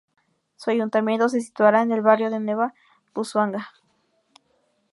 Su ayuntamiento se situará en el barrio de Nueva Busuanga.